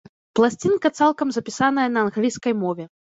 Пласцінка цалкам запісаная на англійскай мове.